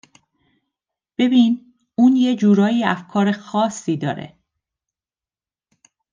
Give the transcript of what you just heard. ببین اون یه جورایی افکار خاصی داره